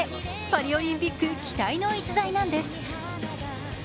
パリオリンピック期待の逸材なんです。